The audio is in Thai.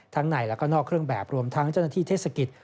ในแล้วก็นอกเครื่องแบบรวมทั้งเจ้าหน้าที่เทศกิจ